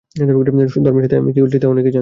ধর্মের স্বার্থে আমি কি করছি তা অনেকেই জানে।